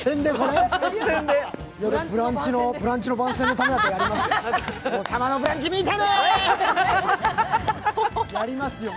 「ブランチ」の番宣のためだったらやりますよ。